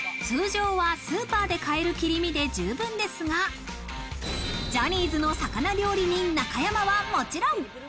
通常はスーパーで買える切り身で十分ですが、ジャニーズの魚料理人・中山はもちろん。